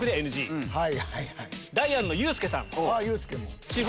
ダイアンのユースケさん。